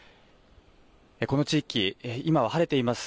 この地域、今は晴れています。